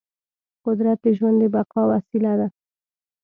قدرت د ژوند د بقا وسیله ده.